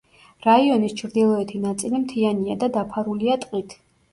რაიონის ჩრდილოეთი ნაწილი მთიანია და დაფარულია ტყით.